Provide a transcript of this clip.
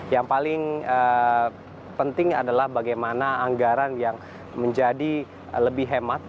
yang paling penting adalah bagaimana anggaran yang menjadi lebih hemat